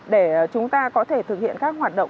để chúng ta có thể thực hiện các hoạt động